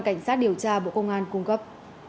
cảnh sát điều tra bộ công an cung cấp